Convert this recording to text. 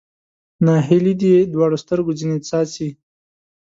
ناهیلي دې دواړو سترګو ځنې څاڅي